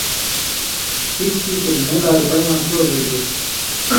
ٹِھک تھی چےۡ دُنئ لا رُپئ واں چو ویلیُو تُھو